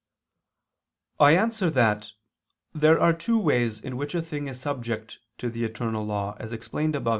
I answer that, There are two ways in which a thing is subject to the eternal law, as explained above (A.